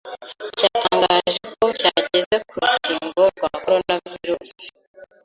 cyatangaje ko cyageze ku rukingo rwa coronavirus.